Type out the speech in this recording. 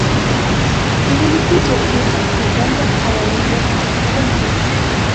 د ولسي جرګې اصلي دنده قوانین وضع کول دي.